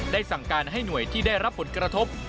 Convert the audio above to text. สั่งการให้หน่วยที่ได้รับผลกระทบ